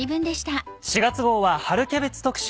４月号は春キャベツ特集。